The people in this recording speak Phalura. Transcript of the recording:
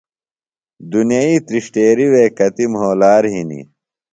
دُنئی تِرݜٹیرِیۡ وے کتیۡ مھولار ہِنیۡ۔